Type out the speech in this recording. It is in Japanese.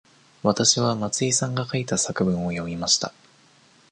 わたしは松井さんが書いた作文を読みました。